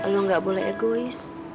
lo gak boleh egois